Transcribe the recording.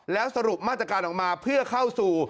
แล้วสรุปมาตรการออกมาเพื่อเข้าสู่